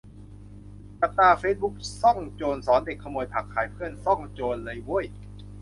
จับตาเฟซบุ๊ก "ซ่องโจร" สอนเด็กขโมยผัก-ขายเพื่อน "ซ่องโจร" เลยเว้ย~